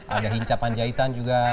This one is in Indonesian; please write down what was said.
ada hinca panjaitan juga